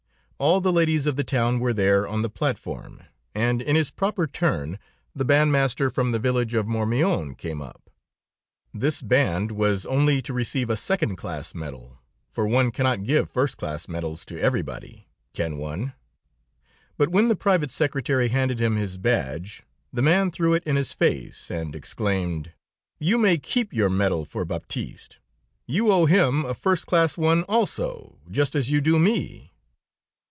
All the ladies of the town were there on the platform, and, in his proper turn, the bandmaster from the village of Mourmillon came up. This band was only to receive a second class medal, for one cannot give first class medals to everybody, can one? But when the private secretary handed him his badge, the man threw it in his face and exclaimed: "'You may keep your medal for Baptiste. You owe him a first class one, also, just as you do me.'